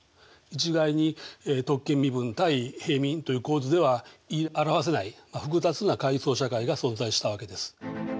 一概に特権身分対平民という構図では言い表せない複雑な階層社会が存在したわけです。